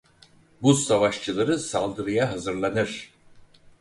Buz Savaşçıları saldırıya hazırlanır.